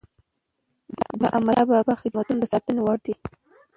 د احمدشاه بابا خدمتونه د ستايني وړ دي.